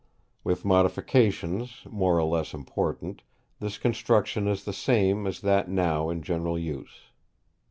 With modifications, more or less important, this construction is the same as that now in general use."